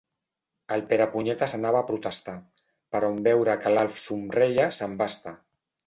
El Perepunyetes anava a protestar, però en veure que l'Alf somreia se'n va estar.